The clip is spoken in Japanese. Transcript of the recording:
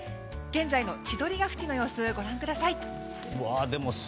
現在の千鳥ケ淵の様子ご覧ください。